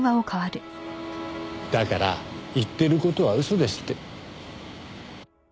だから言ってる事は嘘ですって。